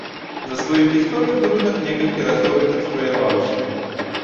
За сваю гісторыю будынак некалькі разоў рэканструяваўся.